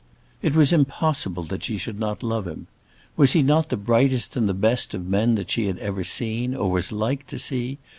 It was impossible that she should not love him. Was he not the brightest and the best of men that she had ever seen, or was like to see?